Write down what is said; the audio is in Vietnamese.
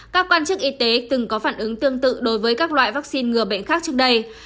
các quan chức y tế từng có phản ứng tương tự đối với các loại vaccine ngừa bệnh khác trước đây